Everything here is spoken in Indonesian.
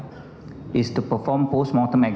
menjalankan pemeriksaan post mortem